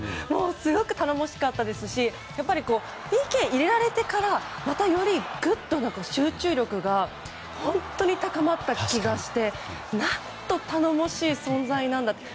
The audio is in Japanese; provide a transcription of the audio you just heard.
すごく頼もしかったですしやっぱり、ＰＫ入れられてからまたより、ぐっと集中力が本当に高まった気がして何と頼もしい存在なんだと。